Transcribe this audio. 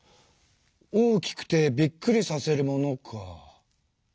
大きくてびっくりさせるものか。